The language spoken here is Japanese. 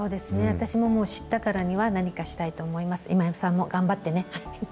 私も知ったからには、何かしたいと思います。